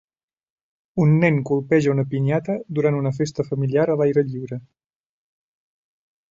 Un nen colpeja una pinyata durant una festa familiar a l'aire lliure.